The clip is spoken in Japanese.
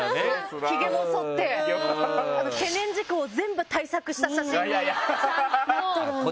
ひげもそって懸念事項を全部対策した写真。